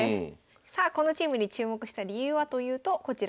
さあこのチームに注目した理由はというとこちらをご覧ください。